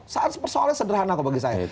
satu persoalan sederhana kalau bagi saya